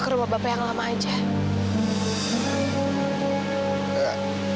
ke rumah bapak yang lama aja